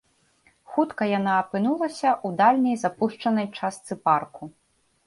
Хутка яна апынулася ў дальняй, запушчанай частцы парку.